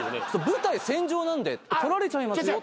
舞台戦場なんで取られちゃいますよ。